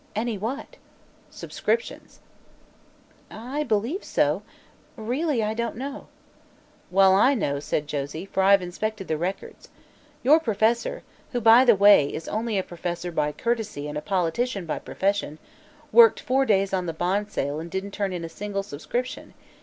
"Any what?" "Subscriptions." " I believe so. Really, I don't know." "Well, I know," said Josie, "for I've inspected the records. Your professor who, by the way, is only a professor by courtesy and a politician by profession worked four days on the bond sale and didn't turn in a single subscription.